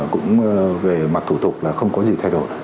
cũng về mặt thủ tục là không có gì thay đổi